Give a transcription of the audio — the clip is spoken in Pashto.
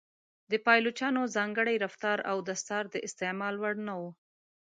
د پایلوچانو ځانګړی رفتار او دستار د استعمال وړ نه و.